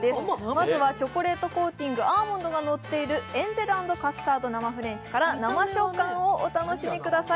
まずはチョコレートコーティング、アーモンドがのっているエンゼル＆ベリー生フレンチから生食感をお楽しみください。